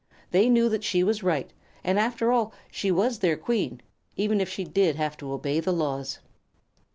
They knew that she was right, and, after all, she was their Queen, even if she did have to obey the laws.